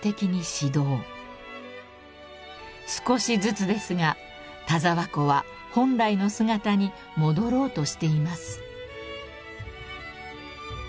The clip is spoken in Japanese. ［少しずつですが田沢湖は本来の姿に戻ろうとしています］